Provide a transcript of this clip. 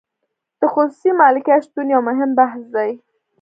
د خصوصي مالکیت شتون یو مهم بحث دی.